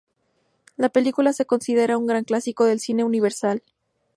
La película es considerada un gran clásico del cine universal.